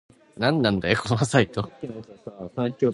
なんなんだよこのサイト